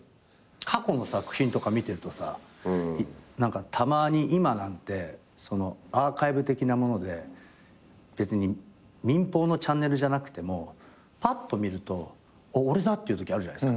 過去の作品とか見てるとさ何かたまに今なんてアーカイブ的なもので別に民放のチャンネルじゃなくてもぱっと見ると俺だ！っていうときあるじゃないですか。